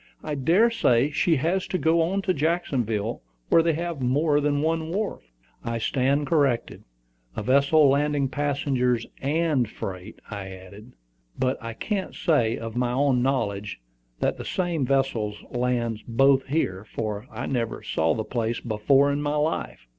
"I dare say she has to go to Jacksonville, where they have more than one wharf." "I stand corrected: a vessel landing passengers and freight," I added. "But I can't say, of my own knowledge, that the same vessel lands both here, for I never saw the place before in my life."